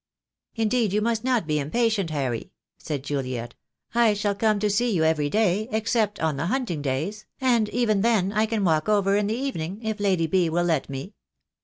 "Indeed, you must not be impatient, Harry," said Juliet. "I shall come to see you every day, except on the hunting days, and even then I can walk over in the evening if Lady B. will let me."